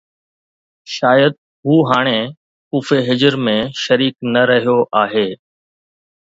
شايد هو هاڻي ڪوف ِ حجر ۾ شريڪ نه رهيو آهي